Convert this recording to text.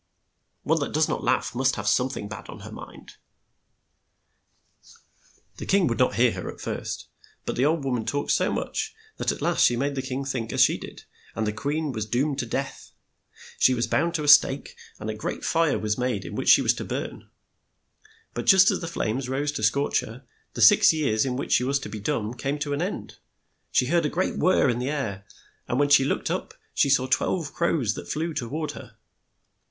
One that does not laugh must have some thing bad on her mind." The king would not hear her at first, but the old wom an talked so much that at last she made the king think as she did, and the queen was doomed to death. She was bound to a stake, and a great fire was made in HANS IN LUCK 125 which she was to burn. But just as the flames rose to scorch her, the six years in which she was to be dumb came to an end. She heard a great whirr in the air, and when she looked up she saw twelve crows that flew to ward her.